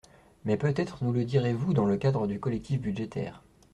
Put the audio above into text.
Mais peut-être nous le direz-vous dans le cadre du collectif budgétaire.